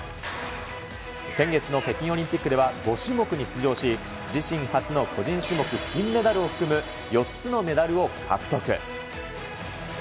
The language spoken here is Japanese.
先月の北京オリンピックでは、５種目に出場し、自身初の個人種目金メダルを含む４つのメダルを獲得。